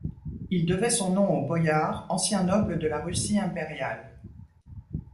Il devait son nom aux boyards, anciens nobles de la Russie impériale.